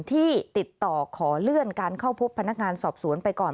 ที่ติดต่อขอเลื่อนการเข้าพบพนักงานสอบสวนไปก่อน